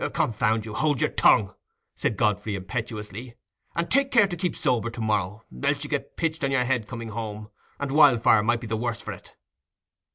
"Confound you, hold your tongue!" said Godfrey, impetuously. "And take care to keep sober to morrow, else you'll get pitched on your head coming home, and Wildfire might be the worse for it."